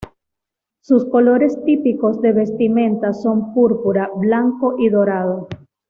Sus colores típicos de vestimenta son Púrpura, blanco y dorado.